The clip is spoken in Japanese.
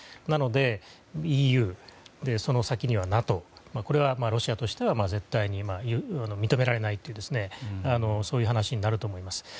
なのでＥＵ、その先にはＮＡＴＯこれはロシアとしては絶対に認められないというそういう話になると思います。